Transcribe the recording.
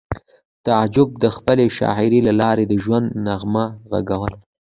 تعجب د خپلې شاعرۍ له لارې د ژوند نغمه غږوله